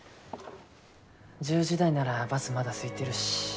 １０時台ならバスまだすいてるし。